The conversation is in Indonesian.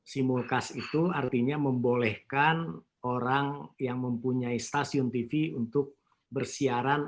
simulkas itu artinya membolehkan orang yang mempunyai stasiun tv untuk bersiaran